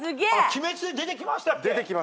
『鬼滅』に出てきましたっけ？